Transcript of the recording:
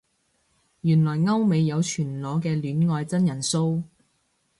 原來歐美有全裸嘅戀愛真人騷